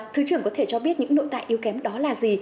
thứ trưởng có thể cho biết những nội tại yếu kém đó là gì